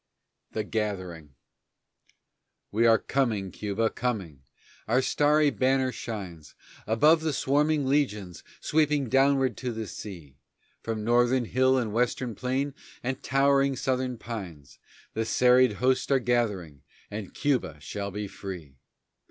THE GATHERING We are coming, Cuba, coming; our starry banner shines Above the swarming legions, sweeping downward to the sea. From Northern hill, and Western plain, and towering Southern pines The serried hosts are gathering, and Cuba shall be free.